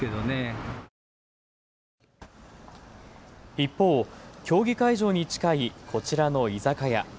一方、競技会場に近いこちらの居酒屋。